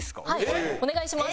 はいお願いします。